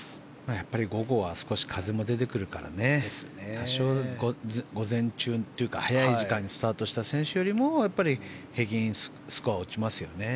やっぱり午後は少し風も出てくるから多少、午前中というか早い時間にスタートした選手よりやっぱり平均スコアは落ちますよね。